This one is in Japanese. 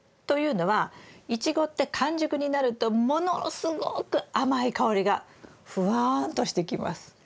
というのはイチゴって完熟になるとものすごく甘い香りがふわんとしてきます。